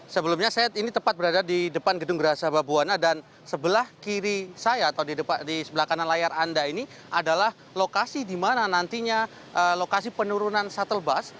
sebelumnya saya ini tepat berada di depan gedung geraha sababwana dan sebelah kiri saya atau di sebelah kanan layar anda ini adalah lokasi di mana nantinya lokasi penurunan shuttle bus